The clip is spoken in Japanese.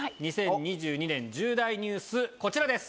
２０２２年重大ニュースこちらです！